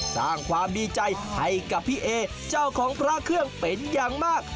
สร้างความดีใจให้กับพี่เอเจ้าของพระเครื่องเป็นอย่างมาก